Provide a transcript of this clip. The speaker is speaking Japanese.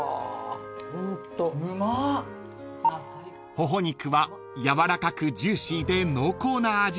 ［ほほ肉はやわらかくジューシーで濃厚な味わい］